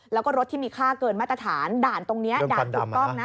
แล้วก็รถที่มีค่าเกินมาตรฐานด่านตรงนี้ด่านถูกต้องนะ